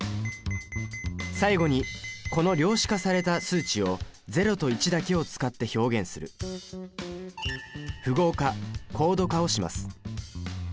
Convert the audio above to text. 最後にこの量子化された数値を０と１だけを使って表現する「符号化」をします。